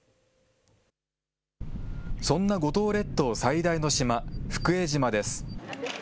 そんな五島列島最大の島、福江島です。